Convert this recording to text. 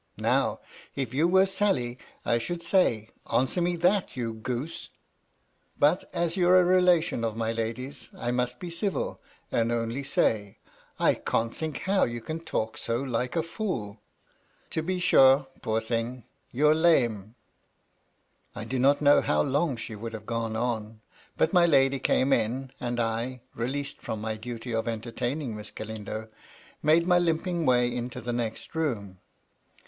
Now, if you were Sally, I should say, * Answer me that, you goose 1' But, as you're a relation of my lady's, I must be civil, and only say, ' I can't tjiink how you can talk so like a fool I' To be sure, poor thing, you're lame 1" I do not know how long she would have gone on ; but my lady came in, and I, released from my duty of entertaining Miss Galindo, made my limping way into 222 MY LADY LUDLOW. the next room.